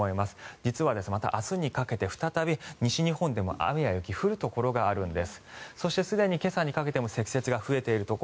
実はまた明日にかけて再び西日本でも雨や雪が降るところがあるんです。